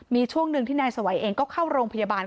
มีช่วงหนึ่งที่นายสวัยเองก็เข้าโรงพยาบาล